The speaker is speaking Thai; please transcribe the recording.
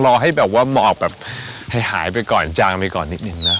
รอให้แบบว่าหมอกหายไปก่อนจางไปก่อนนิดนึงนะ